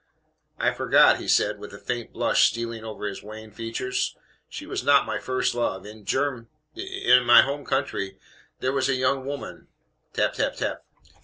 "I forgot," he said, with a faint blush stealing over his wan features, "she was not my first love. In Germ in my own country there WAS a young woman " Tap, tap, tap.